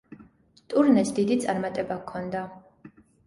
ტურნეს დიდი წარმატება ჰქონდა.